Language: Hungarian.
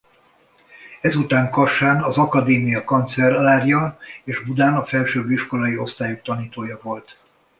Ezután Kassán az akadémia kancellárja és Budán a felsőbb iskolai osztályok tanítója volt.